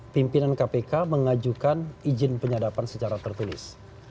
pimpinan kpk mengajukan izin penyadapan secara tertulis